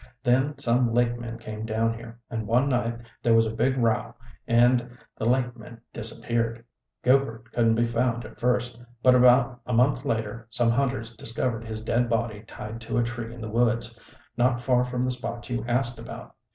Then some lake men came down here, and one night there was a big row and the lake men disappeared. Goupert couldn't be found at first, but about a month later some hunters discovered his dead body tied to a tree in the woods, not far from the spot you asked about.